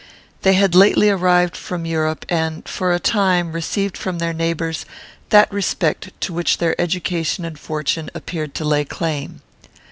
They had lately arrived from Europe, and, for a time, received from their neighbours that respect to which their education and fortune appeared to lay claim.